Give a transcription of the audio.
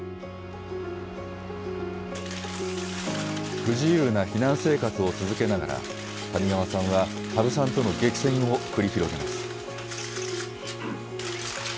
不自由な避難生活を続けながら、谷川さんは羽生さんとの激戦を繰り広げます。